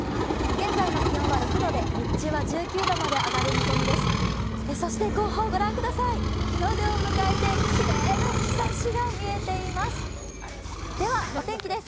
現在の気温は６度で日中は１９度まで上がる見込みです。